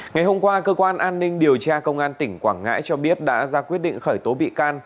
ngày hôm qua cơ quan an ninh điều tra công an tỉnh quảng ngãi cho biết đã ra quyết định khởi tố bị can